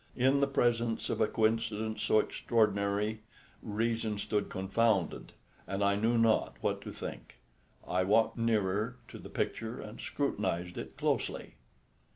In the presence of a coincidence so extraordinary reason stood confounded, and I knew not what to think. I walked nearer to the picture and scrutinised it closely.